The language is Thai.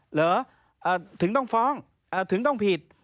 หรือถึงต้องฟ้องถึงต้องผิด